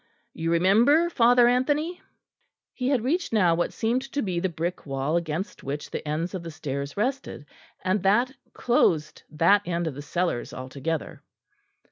"You remember, Father Anthony?" He had reached now what seemed to be the brick wall against which the ends of the stairs rested; and that closed that end of the cellars altogether.